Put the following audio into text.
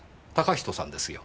嵩人さんですよ。